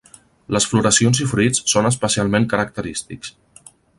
Les floracions i fruits són especialment característics.